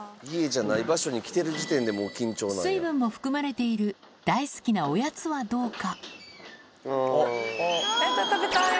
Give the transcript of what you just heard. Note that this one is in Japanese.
水分も含まれている大好きなおやつはどうか。